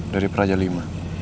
dari puraja v